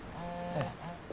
ええ。